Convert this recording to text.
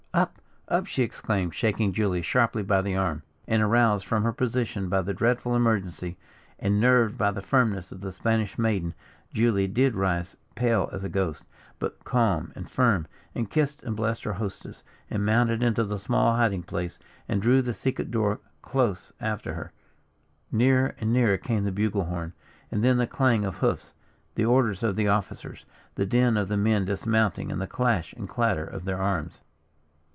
"Up, up!" she exclaimed, shaking Julia sharply by the arm. And aroused from her prostration by the dreadful emergency, and nerved by the firmness of the Spanish maiden, Julia did rise, pale as a ghost, but calm and firm, and kissed and blessed her hostess, and mounted into the small hiding place, and drew the secret door close after her. Nearer and nearer came the bugle horn, and then the clang of hoofs, the orders of the officers, the din of the men dismounting, and the clash and clatter of their arms.